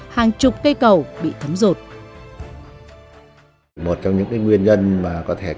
hàng chục cây cầu bị thấm rột